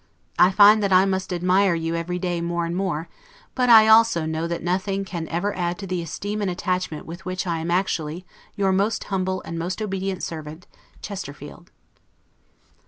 I find that I must admire you every day more and more; but I also know that nothing ever can add to the esteem and attachment with which I am actually, your most humble and most obedient servant, CHESTERFIELD.